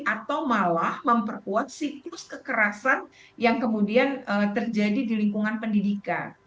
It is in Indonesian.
atau malah memperkuat siklus kekerasan yang kemudian terjadi di lingkungan pendidikan